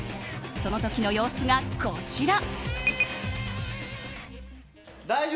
その時の様子がこちら。